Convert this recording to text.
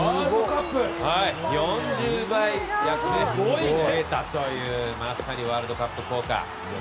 ４０倍増えたというまさにワールドカップ効果。